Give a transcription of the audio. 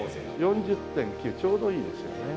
４０．９ちょうどいいですよね。